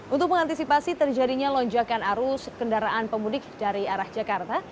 untuk mengantisipasi terjadinya lonjakan arus kendaraan pemudik dari arah jakarta